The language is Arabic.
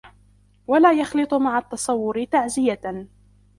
وَلَا يَخْلِطُ مَعَ التَّصَوُّرِ تَعْزِيَةً